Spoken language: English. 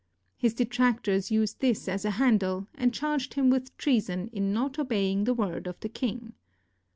His detractors used this as a handle, and charged him with treason in not obeying the word of the king.